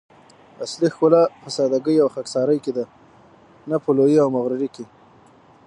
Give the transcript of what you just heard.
اصلي ښکلا په سادګي او خاکساري کی ده؛ نه په لويي او مغروري کي